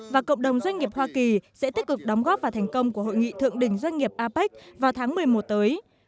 và cộng đồng doanh nghiệp hoa kỳ sẽ tích cực đóng góp vào thành công của hội nghị thượng đỉnh doanh nghiệp apec vào tháng một mươi một tới